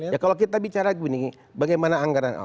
ya kalau kita bicara gini bagaimana anggaran